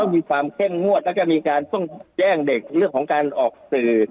มีความเข้มงวดแล้วก็มีการต้องแจ้งเด็กเรื่องของการออกสื่อ